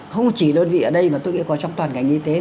không chỉ đơn vị ở đây mà tôi có trong toàn ngành y tế